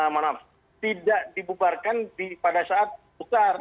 maaf tidak dibubarkan pada saat besar